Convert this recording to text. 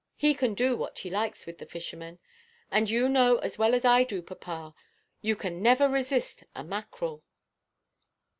He can do what he likes with the fishermen. And you know as well as I do, papa, you can never resist a mackerel."